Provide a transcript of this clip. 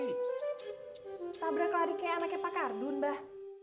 tabrak lari kayak anaknya pak kardun mbah